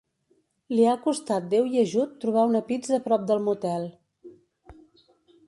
Li ha costat déu i ajut trobar una pizza prop del motel.